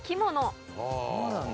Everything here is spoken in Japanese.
そうなんだ。